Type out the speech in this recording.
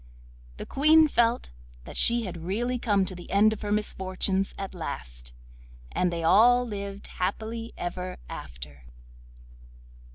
The Queen felt that she had really come to the end of her misfortunes at last, and they all lived happily ever after.